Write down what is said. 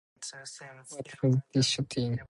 Why were they shouting?